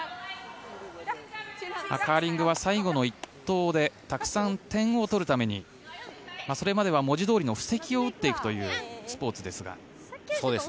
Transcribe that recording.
カーリングは最後の１投でたくさん点を取るためにそれまでは文字どおりの布石を打っていくというスポーツですが。